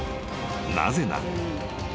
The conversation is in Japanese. ［なぜなら］